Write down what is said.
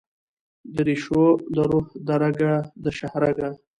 درېښو دروح درګه ، دشاهرګه